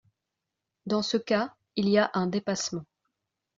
Dans ce cas, il y a un dépassement.